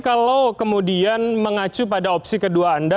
kalau kemudian mengacu pada opsi kedua anda